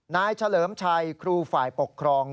เฉลิมชัยครูฝ่ายปกครอง